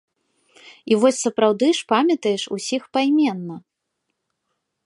І вось сапраўды ж памятаеш усіх пайменна.